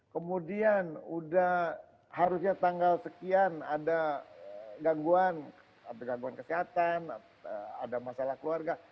kemudian sudah harusnya tanggal sekian ada gangguan ada gangguan kesehatan ada masalah keluarga